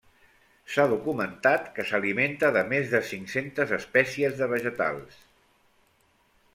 S'ha documentat que s'alimenta de més de cinc-centes espècies de vegetals.